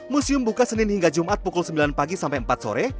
museum buka senin hingga jumat pukul sembilan pagi sampai empat sore